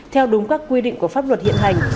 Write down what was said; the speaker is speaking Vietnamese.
theo đúng các quy định của pháp luật hiện hành